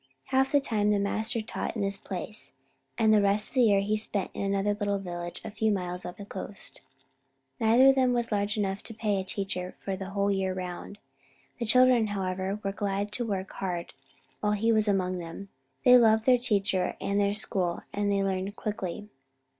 Half of the time the master taught in this place, and the rest of the year he spent in another little village a few miles up the coast. Neither of them was large enough to pay for a teacher the whole year round. The children, however, were glad to work hard while he was among them. They loved their teacher and their school, and they learned quickly.